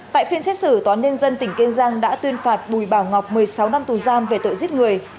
tại phiên xét xử tòa án nhân dân tỉnh kiên giang đã tuyên phạt bùi bảo ngọc một mươi sáu năm tù giam về tội giết người